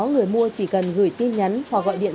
người mua chỉ cần gửi tin nhắn hoặc gọi điện